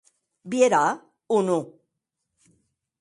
Vierà o non?